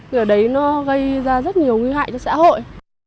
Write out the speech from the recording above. vì ở đấy nó gây ra rất nhiều nguy hại cho xã hội